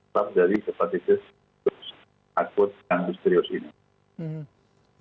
salah satu dari hepatitis agut yang serius ini